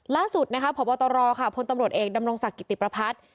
ล่าสุดนะคะพบตรค่ะพลตำรวจเอกดำรงศักดิ์กิติประพัฒน์